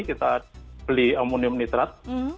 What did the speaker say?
kita beli amonium nitrat